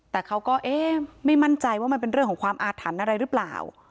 แต่เขาก็เอ๊ะไม่มั่นใจว่ามันเป็นเรื่องของความอาถรรพ์อะไรหรือเปล่า